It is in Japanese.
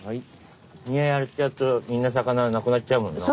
身やっちゃうとみんな魚なくなっちゃうもんな。